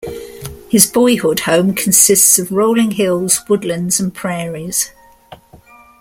His boyhood home consists of rolling hills, woodlands, and prairies.